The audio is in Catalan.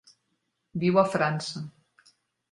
Viu a França.